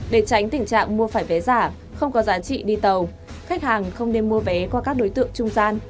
để tránh tình trạng mua phải vé giả không có giá trị đi tàu khách hàng không nên mua vé qua các đối tượng trung gian